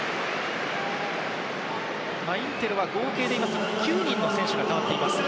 インテルは合計で９人の選手が代わっています。